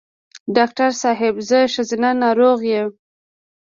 ډاکټر صېبې زه ښځېنه ناروغی یم